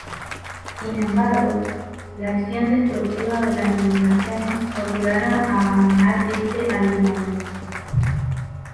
Sin embargo, la acción destructiva de las inundaciones obligaron a abandonar este alineamiento.